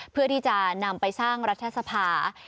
เพื่อที่จะนำไปสร้างรัฐสภา